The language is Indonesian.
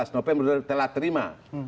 november telah terima